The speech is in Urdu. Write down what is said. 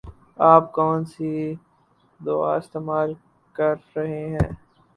آپ کون سی دوا استعمال کر رہے ہیں؟